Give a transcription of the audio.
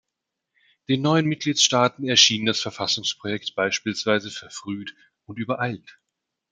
Den neuen Mitgliedstaaten erschien das Verfassungsprojekt beispielsweise verfrüht und übereilt.